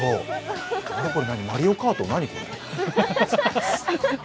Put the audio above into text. マリオカート、何これ？